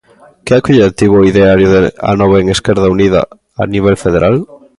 Que acollida tivo o ideario de Anova en Esquerda Unida a nivel federal?